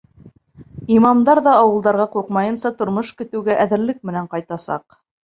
Имамдар ҙа ауылдарға ҡурҡмайынса, тормош көтөүгә әҙерлек менән ҡайтасаҡ.